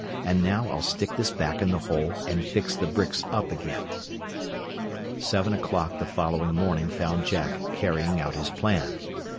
And now I'll stick this back in the hole and fix the bricks up again." Seven o'clock the following morning found Jack carrying out his plan.